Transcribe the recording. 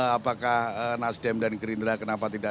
apakah nasdem dan gerindra kenapa tidak